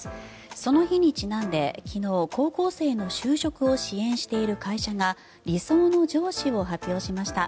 その日にちなんで昨日高校生の就職を支援している会社が理想の上司を発表しました。